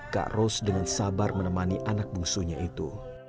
kak ros dengan sabar menemani anak bungsunya itu